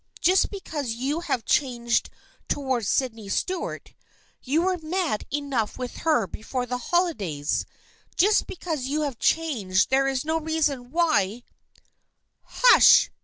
Just because you have changed towards Sydney Stuart — you were mad enough with her before the holidays — just because you have changed there is no reason why "" Hush